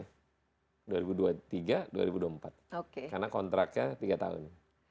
karena kontraknya tiga tahun